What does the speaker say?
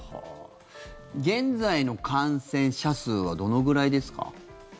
現在の感染者数はどのぐらいですか？